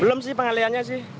belum sih pengaliannya sih